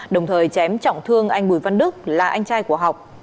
đồng thời chém trọng thương anh bùi văn đức là anh trai của học